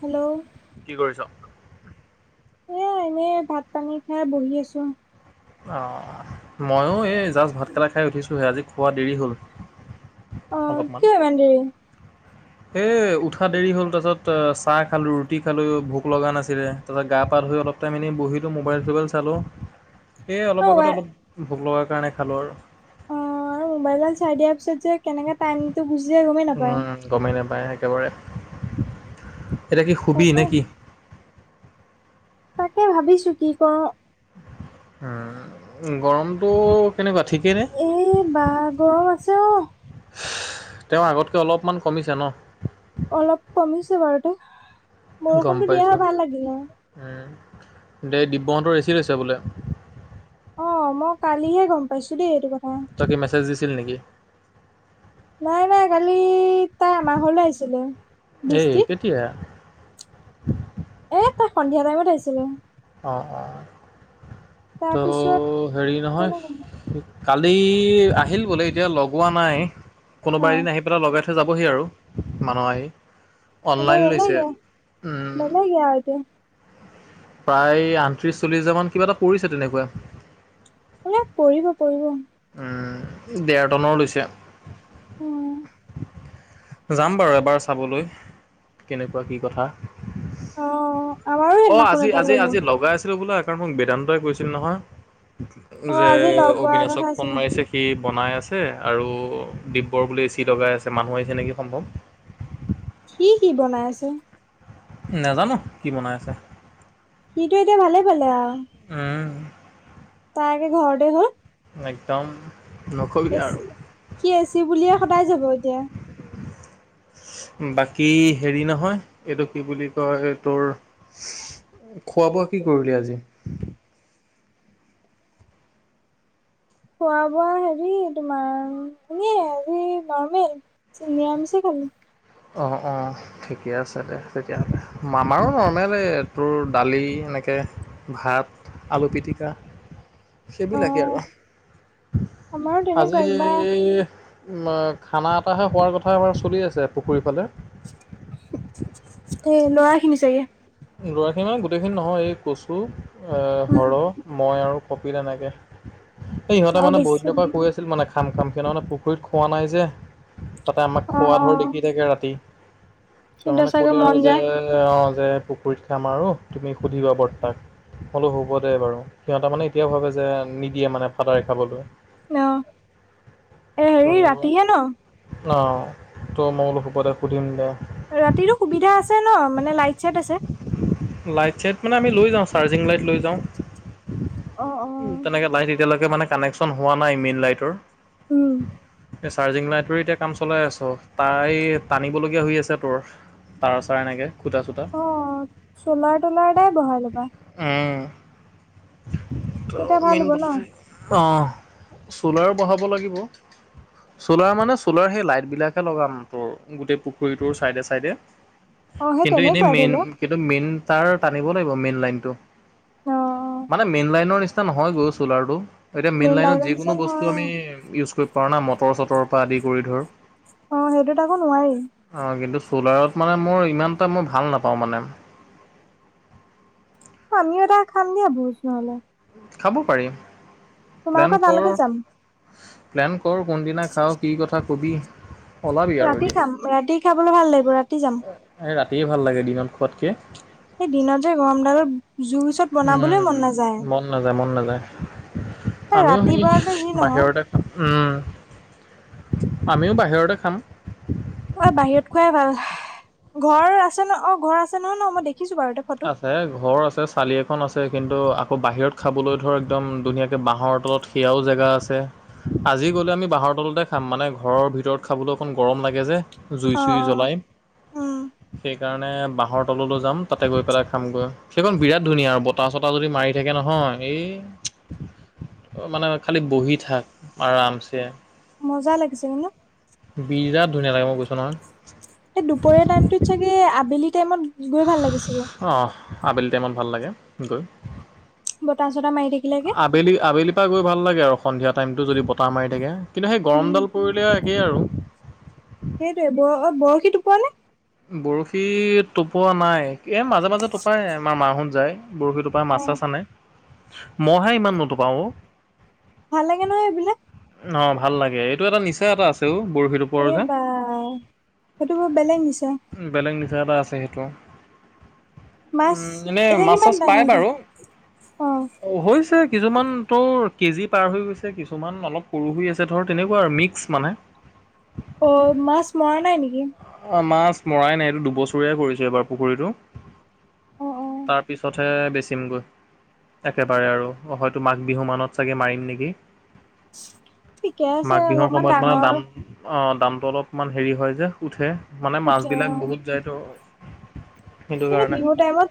Hello, কি কৰিছ? এ, এনেই ভাত পানী খাই বহি আছোঁ। অ', ময়ো এই জাষ্ট ভাতকেইটা খাই উঠিছোঁহে আজি খোৱা দেৰি হ'ল অ অলপমান, কিয় ইমান দেৰি এই উঠা দেৰি হ'ল তাৰ পিছত চাহ খালোঁ ৰুটি খালোঁ ভোক লগা নাছিলে। তাৰপাছত গা পা ধুই, অলপ টাইম এনেই বহিলো, মোবাইল চোবাইল চালো। সেয়ে অ অলপ আগতে অলপ, ভোক লগাৰ কাৰণে খালোঁ আৰু অ', আৰু মোবাইলডাল চাই দিয়া পিছত যে কেনেকে টাইমটো গুচি যায়, গমেই নাপায়। গমেই নাপায়। একেবাৰে, এতিয়া কি শুৱি তাকে নে কি তাকে ভাবিছোঁ কি কৰোঁ। গৰমটো কেনেকুৱা ঠিক এ, বা গৰম আছে অ', তেওঁ আগতকে অলপমান কমিছে ন অলপ কমিছে বাৰু দে গম পাইছোঁ, হয়। দে দিব্যহঁতৰ বেছি হৈছে বোলে। অ', মই কালিহে গম পাইছোঁ দেই, এইটো কথা তই কি মেছেজ দিছিলি নেকি? নাই নাই কালি, তাই আমাৰ ঘৰলৈ আহিছিলে, বিস্তিত এতিয়া, [unintelligible] এই তাই সন্ধিয়া টাইমত আহিছিলে। অ', অ', তো তাৰপিছত হেৰি নহয় বেলেগ কালি আহিল বোলে, এতিয়া লগোৱা নাই। কোনোবা অ এদিন আহি পেলাই লগাই থ যাবহি আৰু, মানুহ আহি, অনলাইন লৈছে। এ যে, প্ৰায় আঁঠত্ৰিশ চল্লিশ হাজাৰ মান, কিবা এটা কৰিছে। তেনেকুৱা এ, পৰিব-পৰিব উম, ডেৰটনৰ লৈছে। অ', যাম বাৰু এবাৰ চাবলৈ কেনেকুৱা কি কথা অ আমাৰো অ', সেইদিনাখন আজি এটা আজি, ললো আজি লগাই আছিলে বোলে, কাৰণ মোক বেদান্তই কৈছিল নহয়। অ যে, আজি লগ পোৱাৰ অবিনাশক কথা আছিলে ছে সি বনাই আছে, আৰু দিব্যৰ বুলি চি লগাই আছে। মানুহ আহিছে নেকি সম্ভৱ কি কি বনাই আছে? নাজানোঁ, কি বনাই আছে? সিটো এতিয়া, ভালে পালে আৰু উম। তাৰ আকৌ ঘৰতে হ'ল। একদম। নকবি এ আৰু চি, সি এ চি বুলিয়ে সদায় যাব এতিয়া। বাকী হেৰি নহয়, এইটো কি বুলি কয় তোৰ খোৱা বোৱাঁ কি কৰিলি আজি? খোৱা বোৱাঁ হেৰি তোমাৰ, এনে আজি নৰ্মেল। নিৰামিষে খালোঁ। অঁ অঁ, ঠিকে আছে দে, তেতিয়াহ'লে আমাৰো নৰ্মেল এ তোৰ দালি, এনেকৈ ভাত, আলু পিটিকা অ সেইবিলাকেই আৰু, আমাৰো তেনেকুৱা আজি কিবা খানা, এটাহে হোৱাৰ কথা এবাৰ চলি আছে পুখুৰীৰ ফালে। এ, ল'ৰা খিনি চাগে? ল'ৰাখিনি মানে গোটেইখিনি নহয়, এই কচু, উম সৰহ মই আৰু কপিল এনেকে, এই ইহঁতে আৰু মানে বহুত বেছি দিনৰ পৰা কৈ আছি আছিল মানে খাম খামকে, নহয় মানে পুখুৰীত খোৱা নাই যে। তাতে আমাক অ খোৱা অ ধোৱা দেখি থাকে ৰাতি, তাৰ সিহঁতৰ মানে চাগে ক'লে মন আৰু যে যায় অ', যে পুখুৰীত খাম আৰু, তুমি সুধিবা বৰ্তাক। কলো হ'ব দে বাৰু, সিহঁতে মানে এতিয়াও ভাবে যে নিদিয়ে মানে ফাদাৰে খাবলৈ। অ এ হেৰি ৰাতিহে ন [unintelligible] অ', তো মই বোলো হব দে, সোধিম দে। ৰাতিতো সুবিধা আছে নহ, মানে লাইট চাইট আছে। লাইট চাইট মানে আমি লৈ যাওঁ, চাৰ্জিং লাইট লৈ যাওঁ। অ অ উম, তেনেকে লাইট এতিয়ালৈকে মানে কানেকচন হোৱা নাই মেইন লাইটৰ। উম। চাৰ্জিং লাইটৰ এতিয়া কাম চলাই আছো, তাই টানিবলগীয়া হৈ আছে তোৰ। তাৰ চাৰ এনেকে, খুটা চুটা। অ', চ'লাৰ ত'লাৰ এটা বহাই ল'বা। উম, তেতিয়া ত' ভাল মেইন হ'ব ন। অ', চ'লাৰো বঢ়াব লাগিব। চ'লাৰ মানে চ'লাৰ সেই লাইট বিলাকে লগাম তোৰ, গোটেই পুখুৰীটোৰ চাইডে চাইডে। অ সেই কিন্তু এনেই, তেনেকুৱাই ধৰি লওক কিন্তু মেইন তাৰ টানিব লাগিব মেইন লাইনটো। অ অ মানে মেইন লাইনৰ নিচিনা নহয় গৈ চলাৰটো। এতিয়া মেইন মেইনলাইনত লাইটৰ নিচিনা যিকোনো নহয় বস্তু আমি ইউজ কৰিব পাৰোঁ না, মটৰ চটৰ পৰা আদি কৰি ধৰ। অ', সেইটোত আকো নোৱাৰি। অ', কিন্তু চ'লাৰত মানে মোৰ ইমান, এটা মই ভাল নাপাওঁ মানে। আমি এটা খাম দিয়া ভোজ নহ'লে। খাব পাৰি। প্লেন তোমালোকৰ কৰ তালৈকে যাম। প্লেন কৰ কোনদিনা খাওঁ, কি কথা ক'বি। ওলাবি আৰু ৰাতি এদিন খাম, ৰাতি খাবলৈ ভাল লাগিব ৰাতি যাম। এই ৰাতিয়ে ভাল লাগে, দিনত খোৱাতকে। সেই দিনতে যে, গৰমডালত জুইৰ ওচৰত বনাবলৈ উম, মন নাযায়। মন নাযায়, মন নাযায়, এই আমিও ৰাতি সেই বাৰতে যি নহওক বাহিৰতে উম, আমিও বাহিৰতে খাম। অ', বাহিৰত খোৱাই ভাল, ঘৰ আছে ন অ' ঘৰ আছে নহয় ন মই দেখিছো বাৰ [unintelligible] হে ঘৰ আছে চালি এখন আছে, কিন্তু আকৌ বাহিৰত খাবলৈ ধৰ একদম ধুনীয়াকে বাঁহৰ তলত সেয়াও জেগা আছে। আজি গ'লে আমি বাহৰ তলতে খাম, মানে ঘৰৰ ভিতৰত খাবলৈ অকণ গৰম লাগে যে। জুই অ চুই অ জ্বলাই, উম সেইকাৰণে বাঁহৰ তললৈ যাম। তাতে গৈ পেলাই খামগৈ। সেইখন বিৰাট ধুনীয়া, আৰু বতাহ চতাহ যদি মাৰি থাকে নহয় এই মানে খালি বহি থাক, আৰামছে। মজা লাগিছে, হয়নে? বিৰাট ধুনীয়া লাগে, মই কৈছো নহয়। এই দুপৰীয়া টাইমটোত চাগে, আবেলি টাইমত গৈ ভাল লাগিছিলে। অ', আবেলি টাইমত ভাল লাগে গৈ। বতাহ, চতাহ মাৰি থাকিলেগে। আবেলি আবেলিৰ পৰা গৈ ভাল লাগে আৰু, সন্ধিয়া টাইমটো যদি বতাহ মাৰি থাকে। কিন্তু, সেই উম গৰমডাল কৰিলে একেই আৰু। সেইটোয়ে ব-বৰশী টোপোৱা নে? বৰশী টোপোৱা নাই, এ মাজে মাজে টোপাই আমাৰ মা [unintelligible] যায়। বৰশী টোপা অ মাছ চাছ আনে মইহে ইমান নুতুপাওঁ অ, ভাল লাগে নহয় এইবিলাক। অ, ভাল লাগে এইটো এটা নিচা এটা আছেও বৰশীটো। এইবাৰ সেইটো বৰ বেলেগ নিছা? বেলেগ নিচা এটা আছে সেইটো। মাছ উম, এনে এতিয়া মাছ কিমান -চাছ ডাঙৰ পাই হৈছে বাৰু অ হৈছে কিছুমান, তো কেজি পাৰ হৈ গৈছে কিছুমান অলপ সৰু হৈ আছে ধৰ তেনেকুৱা আৰু মিক্স মানে। অ, মাছ মৰা নাই নেকি? অ, মাছ মৰাই নাই এইটো দুবছৰীয় কৰিছো এবাৰ পুখুৰীতটো। অ অ তাৰ পিছতহে বেচিমগৈ। একেবাৰে আৰু হয়তো মাঘ বিহু মানত চাগে মাৰিম নেকি? ঠিকে আছে মাঘ বিহুৰ অলপমান সময়ত মানে ডাঙৰ দাম অ, দামতটো অলপমান হেৰি হয় যে উঠে মানে মাছ উঠে অ বিলাক বহুত যায় তো, বিহু টাইমত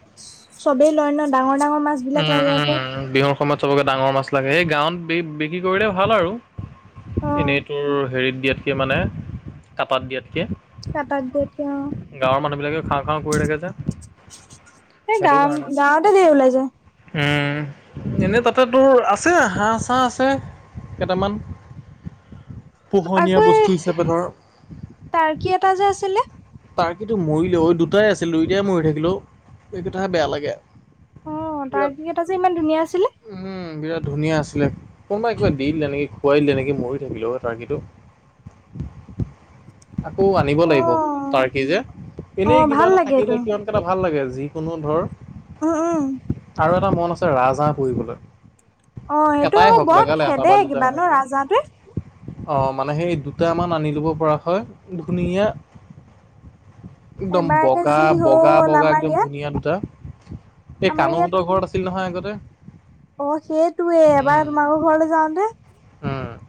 চবেই লয় ন' ডাঙৰ-ডাঙৰ মাছ বিলাক উম, লাগে উম, আকৌ, বিহুৰ সময়ত চবকে ডাঙৰ মাছ লাগে, সেই গাঁৱত বি বিক্ৰী কৰিলে ভাল আৰু। অ এনেই তোৰ হেৰিত দিয়াতকে মানে কাটাত দিয়াতকে। কাটাত দিয়াত কে অ, গাঁৱৰ মানুহবিলাকে খাও-খাও কৰি থাকে যে, সেই গা সেইটো কাৰণে। গাঁৱতে দে ওলাই যায়। উম, এনেই তাতে তোৰ আছে হাঁহ-চাঁহ আছে। কেইটামান, [unintelligible] আকৌ পোহনীয়া বস্তু এই হিচাপে ধৰ টাৰ্কি এটা যে আছিলে। তাৰ্কিটো মৰিলে দুটাই আছিল, দুইটাই মৰি থাকিলোও এইকেই থাহে বেয়া লাগে। অ, তাৰ বিৰাট কি কেইটা যে ইমান ধুনীয়া আছিলে। উম, বিৰাট ধুনীয়া আছিলে। কোনোবাই কিবা দিলে নেকি? খুৱাই দিলে নেকি মৰি থাকিলো অ, তাৰকি টো। আকৌ আনিব লাগিব অ' তাৰ্কি যে অ' এনেই কিবা ভাল এটা লাগে এইটো থাকিলে কিয়নো, কিবা এটা ভাল লাগে যিকোনো ধৰ উম, উম, আৰু এটা মন আছে ৰাজহাঁহ পুৰিবলে। অ' সেইটো এটাই আকৌ হওক বৰ লগালে এটা খেদে বা দুটা কিবা ন সেনেকে। ৰাজাটোৱে অ, মানে সেই দুটামান আনি লব পৰা। হয়, ধুনিয়া একদম এবাৰকে যি হ'ল বগা-বগা-বগা আমাৰ একদম ইয়াত ধুনীয়া দুটা। এই আমাৰ ইয়াত কানুহঁতৰ ঘৰত আছিল নহয় আগতে। অ, সেইটয়ে এবাৰ উম, তোমাকো ঘৰলে যাওঁতে। উম,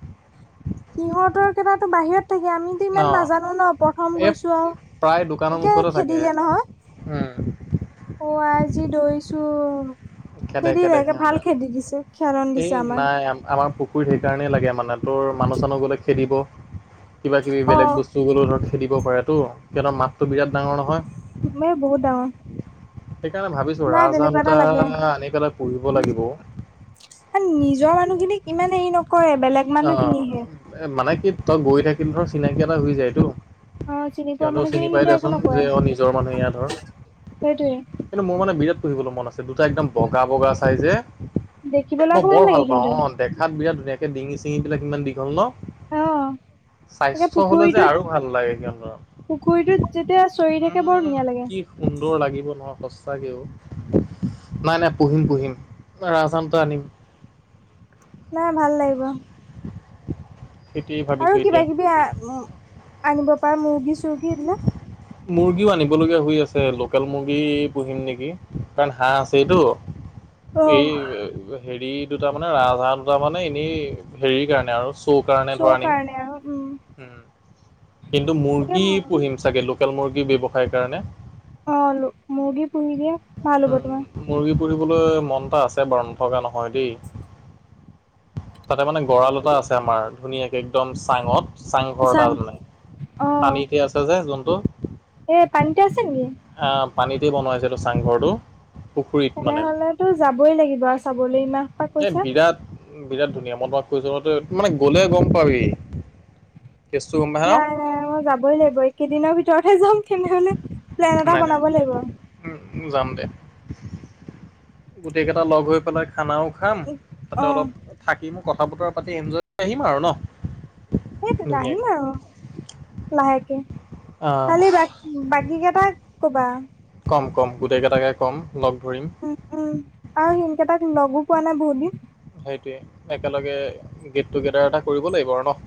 সিহতে কেইটা টো বাহিৰত থাকে। আমি অ, ইমান নাজানো ন প্ৰথম এই গৈছো আৰু প্ৰায় দোকানৰ মুখতে এ থাকে। খেদিলে নহয়। উম, অ, আই জি দৌৰিছোঁ। খেদে খেদে খেদিলে সিহঁতে। ভাল খেদি দিছে খেদন এই দিছে আমাক। নাই আমাৰ পুখুৰত সেইকাৰণে লাগে মানে তোৰ মানুহ-চানুহ গলে খেদিব, কিবা কিবি বেলেগ অ' বস্তু যি গ'লো ধৰ খেদিব পাৰে তো সিহঁতৰ মাতটো বিৰাট ডাঙৰ নহয়। মই বহুত ডাঙৰ, সেইকাৰণে ভাবিছো নাই ৰাজহাঁহ তেনেকুৱা এটা লাগে। দুটা আনি পেলাই পুহিব লাগিব। নিজৰ মানুহখিনিক ইমান হেৰি নকৰে বেলেগ অ, মানুহখিনিহে। এ মানে কি তই গৈ থাকিল ধ চিনাকি এটা হৈ যায় তো। অ চিনি পোৱা সিহঁতেও চিনি মানুহখিনি পাই কিন্তু একো দোচোন যে নকৰে অ, নিজৰ মানুহ ইয়া ধৰ। সেইটোয়ে কিন্তু, মোৰ মানে বিৰাত পুহিবলৈ মন আছে। দুটা একদম বগা, বগা চাই যে, দেখিবলৈ মই আকৌ বৰ ভাল লাগে পাওঁ কিন্তু অ', দে খাত বিৰাট ধুনীয়া একে ডিঙি-চিঙি বিলাক ইমান দীঘল ন। অ'। তাকে স্বাস্থ্য হলে যে আৰু পুখুৰীটোত, ভাল লাগে সিহঁতৰ পুখুৰীটোত যেতিয়া চৰি থাকে বৰ উম ধুনীয়া লাগে। কি সুন্দৰ লাগিব নহয় সচাকে ঔ, নাই, নাই পুহিম, পুহিম। ৰাজ হাঁহ দুটা আনিম। নাই ভাল লাগিব। সেইটোৱে আৰু ভাবিছো এতিয়া কিবা-কিবি আনিব পাৰ, মুৰ্গী-চৰ্গী এইবিলাক। মুৰ্গীও আনিবলগীয়া হৈ আছে, লোকেল মুৰ্গী পুহিম নেকি? কাৰণ হাঁহ আছেইটো। অ এই হেৰি দুটা মানে ৰাজ হাঁহ দুটা মানে এনেই, হেৰিৰ কাৰণে আৰু তোৰ কাৰনে ধৰ শ্ব' আনিম। কাৰণে আৰু উম উম, কিন্তু তাকে মুৰ্গী পুহিম চাগে লোক কেল মুৰ্গী ব্যৱসায়ৰ কাৰণে। অ', মুৰ্গী পুহি [unintelligible] উম, তোমাৰ মুৰ্গী পুহিবলৈ মন এটা আছে, বাৰু নথকা নহয় দেই তাতে মানে গঁৰাল এটা আছে আমাৰ, ধুনীয়াকে একদম চাঙত চাংঘৰ চাং এটা মানে পানীতে আছে যে যোনটো। এ পানীতে আছে নেকি? আহ পানীতেই বনাইছিলোঁ চাংঘৰটো। পুখুৰীত মানে তেনেহলেতো যাবই লাগিব আৰু চাবলৈ ইমান সোপা এ কৈছা বিৰাট, বিৰাট ধুনীয়া মই তোমাক কৈছো, মানে গ'লে গম পাবি। কেছতু গম পাইচা ন। এ মই যাবই লাগিব, এই কেইদিনৰ ভিতৰতে যাম তেনেহলে প্লেন এটা নাই নাই বনাব লাগিব। উম, যাম দে। গোটেই কেইটা লগ হৈ পেলাই খানাও খাম তাতে অ অলপ থাকিমো কথা-বতৰা পাতি আহিম, [unintelligible] আহিম আৰু ন। সেইতোটো আহিম ধুনীয়াকে। আৰু লাহেকে, আহ কালি বাকী বাকী কেইটাক কবা। কম, কম গোটেই কেইটাকে কম, লগ ধৰিম। উম, উম, আৰু সিহঁত কেইটাক লগো পোৱা নাই বহুত দিন। সেইটোৱে একেলগে গেট- টুগেডাৰ এটা কৰিব লাগিব আৰু ন।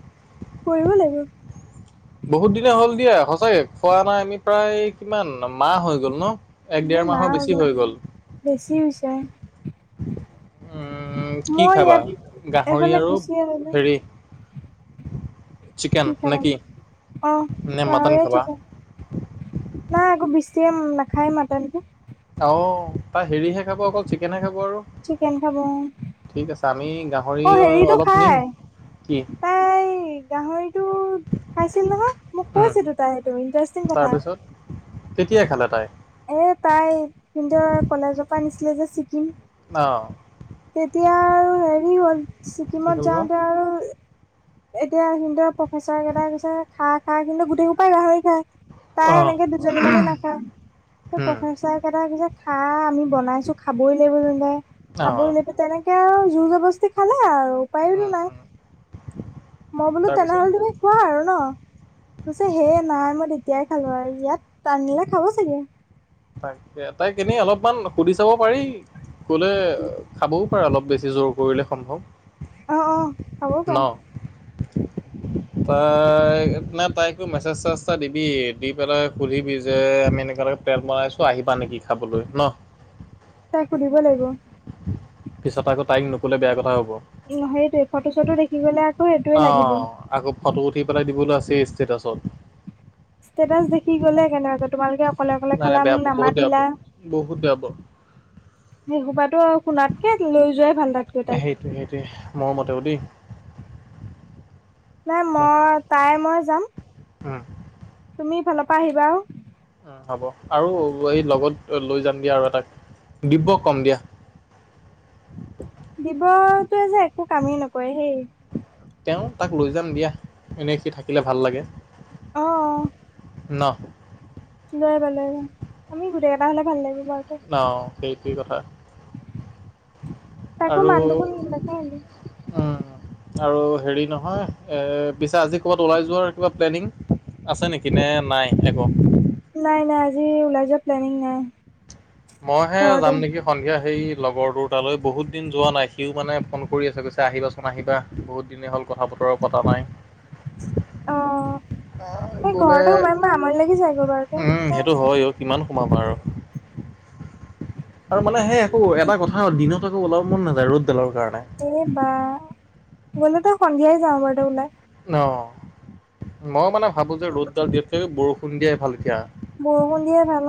কৰিব লাগিব। বহুত দিনে হ'ল দিয়া, সঁচাকে খোৱা নাই আমি প্ৰায় কিমান, মাহ হৈ গ'ল ন। এক ডেৰ হেই মাহ মাহৰ হৈ বেছি গল বেছি হৈছে। উম কি মই খাবা ইয়াত, গাহৰি এফালে আৰু গুচি আহিলো। হেৰি চিকেন কি নে খাবা? অ', নে মটন গাহৰি আৰু খাবা চিকেন। নাই, আকৌ বৃষ্টিয়ে নাখায় মাটনটো। অ', তাই হেৰিহে খাব, অকল চিকেনহে খাব আৰু। চিকেন খাব ঠিক আছে আমি অ গাহৰি হেৰিটো অলপ নিম। খাই কি? তাই গাহৰিটো খাইছিল নহয়, মোক উম কৈছেটো তাই সেইটো ইটাৰেষ্টিং কথা। তাৰপিছত কেতিয়া খালে তাই? এ, তাই সিহঁতৰ, কলেজৰ পৰা নিছিলে যে ছিকিম। অ'। তেতিয়া আৰু হেৰি হ'ল, কি ছিকিমত হ'ল বাৰু যাওঁতে আৰু এতিয়া সিহঁতৰ প্ৰফেচাৰ কেইটাই কৈছে খা, খা সিহঁতৰ গোটেই সোপাই গাহৰি খায়। তাই অ এনেকে দুজনী মানে নাখায়। উম প্ৰফেচাৰ কেইটাই কৈছে খা আমি বনাইছো খাবই লাগিবে তহঁতে অ খাবই লাগিব তেনেকে আৰু জুৰ জবস্তি খালে আৰু। উম উপায়োটো নাই, উম মই বোলো তাৰপিছত তেনেহলে তুমি খোৱা আৰু ন। কৈছে হে নাই মই তেতিয়াই খালো আৰু ইয়াত [unintelligible] নিলে খাব চাগে। তাকে, তাইক এনেই অলপমান সুধি চাব পাৰি। ক'লে খাবও পাৰে অলপ, বেছি জোৰ কৰিলে সম্ভৱ অ', অ', খাবও পাৰে। [inaudible] তাই, নাই তাইকো মেছেজ-চেছেজ এটা দিবি, দি পেলাই সুধিবি যে আমি এনেকুৱা-এনেকুৱা প্লেন বনাইছোঁ, আহিবা নেকি খাবলৈ? তাইক সুধিব লাগিব। পিছত আকৌ তাইক নক'লে বেয়া কথা হ'ব। উম, সেইটোৱেই। ফটো-চটো দেখি গ'লেই আক অ', আকৌ ফটো উঠি পেলাই দিবলৈ আছেই ষ্টেটাছত ষ্টেটাছ দেখি গ'লে, কেনেবাকৈ তোমালোকে অকলে-অকলে নাই নাই খালা, বেয়া মোক পাব বহুত বেয়া পাব নামাতিলা বহুত বেয়া পাব সেই সোপাটো, শুনাতকে লৈ যোৱাই ভাল, তাতকৈ তাইক সেইটোৱেই, মৰমতো দেই নাই বাকী মই, তাই মই যাম। উম। তুমি ইফালৰ পৰা আহিবা আৰু উম হ'ব আৰু, এই লগত লৈ যাম দিয়া আৰু এটাক, দিব্যক ক'ম দিয়া। দিব্যটোৱে যে একো কামেই নকৰে হে তেওঁ তাক লৈ যাম দিয়া, এনেই সি থাকিলে ভাল লাগে। অ', অ'। ন? লৈ আহিবা, লৈ আহিবা, আমি গোটেইকেইটা হ'লে ভাল লাগিব আৰু অ', সেইটোৱেই কথা। তাকো আৰু [unintelligible] দেখুন [unintelligible] উম, আৰু হেৰি নহয়, এ, পিছে আজি ক'ৰবাত ওলাই যোৱাৰ কিবা প্লেনিং? আছে নেকি? নে নাই একো নাই, নাই, আজি ওলাই যোৱাৰ প্লেনিং নাই। মইহে ঘৰতে যাম নেকি সন্ধিয়া সেই লগৰটোৰ তালৈ, বহুত দিন যোৱা নাই সিও মানে ফোন কৰি আছে, কৈছে, আহিবাচোন, আহিবা। বহুত দিনেই হ'ল কথা-বতৰা পতা নাই। [inaudible] অ', আহ, সেই গ'লে ঘৰতে সোমাই সোমাই, আমনি লাগি যায়গৈ বাৰু উম, সেইটো হয় অ [unintelligible] কিমান সোমাবা আৰু আৰু মানে, সেই একো, এটা কথা, দিনত আকৌ ওলাব মন নাযায় ৰ'দডালৰ কাৰণে। এই, বা, গ'লে ত', সন্ধিয়াই যাওঁ বাৰু, আগতে ওলাই ন', মই মানে ভাবোঁ যে ৰ'দডাল দিয়াতকৈ বৰষুণ দিয়াই ভাল এতিয়া বৰষুণ দিয়াই ভাল, অ'।